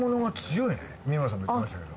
三村さんも言ってましたけど。